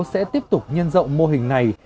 sẽ tiếp tục nhân rộng mô hình này